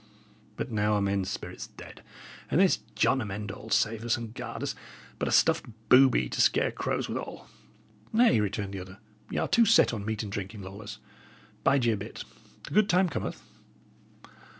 But now are men's spirits dead; and this John Amend All, save us and guard us! but a stuffed booby to scare crows withal." "Nay," returned the other, "y' are too set on meat and drinking, Lawless. Bide ye a bit; the good time cometh."